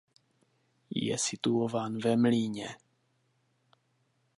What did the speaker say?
Je situován ve mlýně.